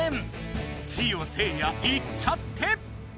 ジオせいやいっちゃって！